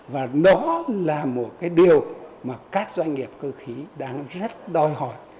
và nó là một cái điều mà các doanh nghiệp cơ khí đang rất đòi hỏi